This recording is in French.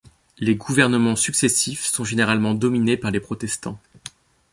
Les gouvernements successifs sont généralement dominés par les protestants.